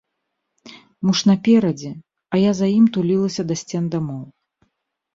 Муж наперадзе, а я за ім тулілася да сцен дамоў.